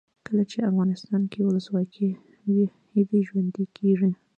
کله چې افغانستان کې ولسواکي وي هیلې ژوندۍ کیږي.